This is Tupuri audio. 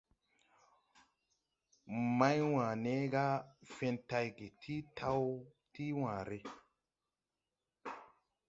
Mày- wane gà fen tay ge ti taw ti ware.